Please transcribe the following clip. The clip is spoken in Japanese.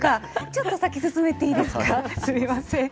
ちょっと先進めていいですか、すみません。